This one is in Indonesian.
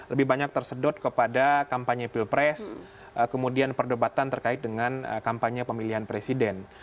lebih banyak tersedot kepada kampanye pilpres kemudian perdebatan terkait dengan kampanye pemilihan presiden